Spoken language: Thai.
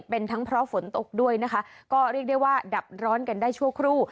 เป็นทั้งเพราะฝนตกด้วยนะคะก็เรียกได้ว่าดับร้อนกันได้ชั่วครู่